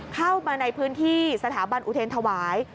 เข้ามาในพื้นที่สถาบันอุเทรนธวาย